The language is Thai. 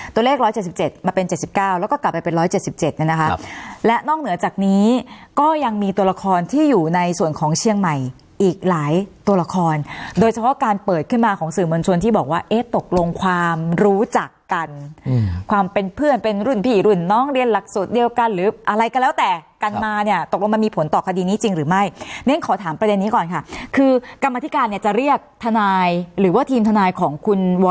ตัวเลข๑๗๗มาเป็น๗๙แล้วก็กลับไปเป็น๑๗๗แล้วนะคะและนอกเหนือจากนี้ก็ยังมีตัวละครที่อยู่ในส่วนของเชียงใหม่อีกหลายตัวละครโดยเฉพาะการเปิดขึ้นมาของสื่อมนต์ชนที่บอกว่าเอ๊ะตกลงความรู้จักกันความเป็นเพื่อนเป็นรุ่นผีรุ่นน้องเรียนหลักสุดเดียวกันหรืออะไรกันแล้วแต่กันมาเนี่ยตกลงมันมีผลต่อค